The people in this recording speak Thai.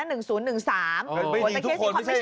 ไม่ได้ยิงทุกคนไม่ใช่แน่นั้นนะโอ้โฮแต่เคสซิคคอร์ดไม่ใช่นะ